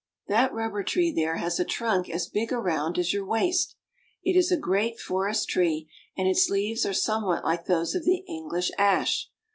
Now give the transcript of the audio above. That rubber tree there has a trunk as big around as your waist. It is a great forest tree, and its leaves are some what like those of the English ash.